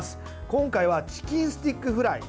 今回は、チキンスティックフライ。